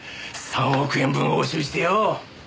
３億円分押収してよう。